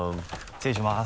失礼します。